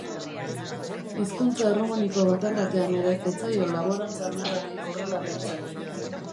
Hizkuntza erromaniko bakar batean ere ez zaio laborantza lurrari horrela deitzen.